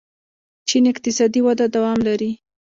چین اقتصادي وده دوام لري.